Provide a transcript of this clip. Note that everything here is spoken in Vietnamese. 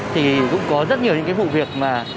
thì cũng có rất nhiều những vụ việc